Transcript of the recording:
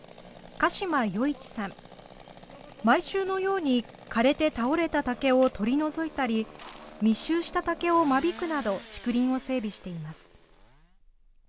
鹿嶋與一さん、毎週のように枯れて倒れた竹を取り除いたり、密集した竹を間引くなど、竹林を整備しています。